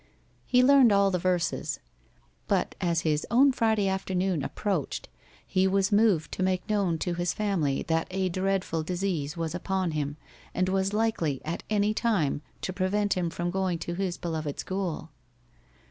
He learned all the verses. But as his own Friday afternoon approached he was moved to make known to his family that a dreadful disease was upon him, and was likely at any time to prevent him from going to his beloved school.